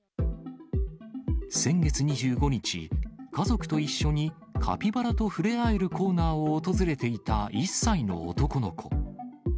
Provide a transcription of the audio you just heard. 先月２５日、家族と一緒にカピバラと触れ合えるコーナーを訪れていた、１歳の男の子。